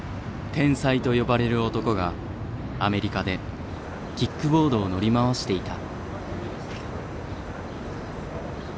天才と呼ばれる男がアメリカでキックボードを乗り回していた。